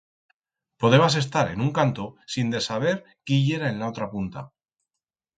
Podebas estar en un canto sinde saber quí yera en la otra punta.